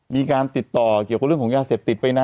มีการติดต่อเกี่ยวกับเรื่องของยาเสพติดไปนะ